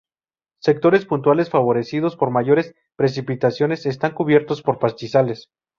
Sectores puntuales favorecidos por mayores precipitaciones están cubiertos por pastizales.